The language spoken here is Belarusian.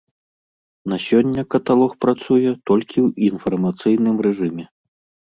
На сёння каталог працуе толькі ў інфармацыйным рэжыме.